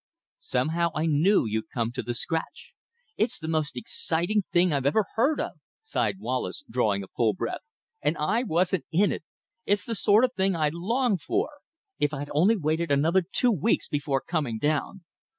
Somehow I knew you'd come to the scratch." "It's the most exciting thing I ever heard of," sighed Wallace drawing a full breath, "and I wasn't in it! It's the sort of thing I long for. If I'd only waited another two weeks before coming down!"